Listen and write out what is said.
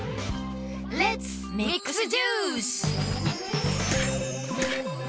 レッツミックスジュース！